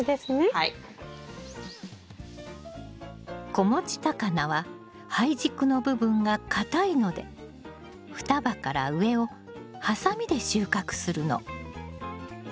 子持ちタカナは胚軸の部分が硬いので双葉から上をはさみで収穫するの。